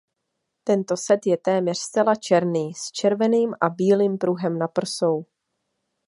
Tento set je téměř zcela černý s červeným a bílým pruhem na prsou.